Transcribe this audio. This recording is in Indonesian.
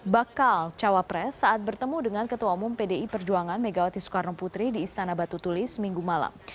bakal cawapres saat bertemu dengan ketua umum pdi perjuangan megawati soekarno putri di istana batu tulis minggu malam